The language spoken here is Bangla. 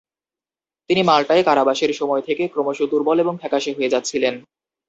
তিনি মাল্টায় কারাবাসের সময় থেকে ক্রমশ দুর্বল এবং ফ্যাকাশে হয়ে যাচ্ছিলেন।